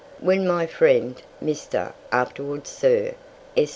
When my friend, Mr. (afterwards Sir) S.